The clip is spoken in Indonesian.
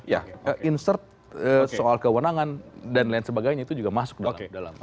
ya insert soal kewenangan dan lain sebagainya itu juga masuk dalam